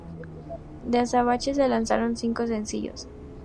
De "Azabache" se lanzaron cinco sencillos.